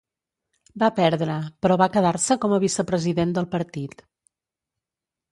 Va perdre però va quedar-se com a vicepresident del partit.